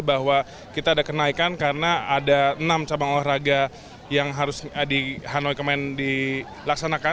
bahwa kita ada kenaikan karena ada enam cabang olahraga yang harus di hanoi command dilaksanakan